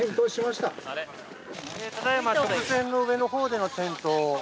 ただ今直線の上のほうでの転倒。